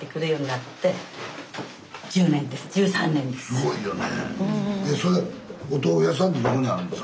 すごいよね。